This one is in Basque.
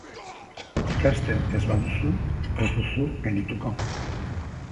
Ikasten ez baduzu, ez duzu gaindituko.